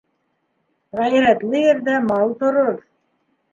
Ғәйрәтле ерҙә мал торор.